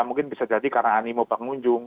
mungkin bisa jadi karena animo pengunjung